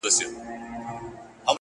o د سكون له سپينه هــاره دى لوېـدلى.